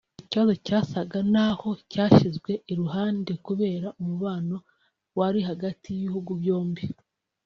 ikibazo cyasaga n’aho cyashyizwe iruhande kubera umubano wari hagati y’ibihugu byombi